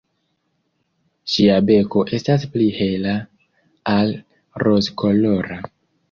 Ŝia beko estas pli hela, al rozkolora.